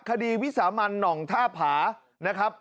คดีวิสามันน่องภาพานะครับ